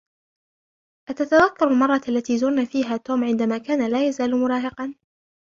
أتتذكر المرة التي زرنا فيها توم عندما كان لا يزال مراهقا ؟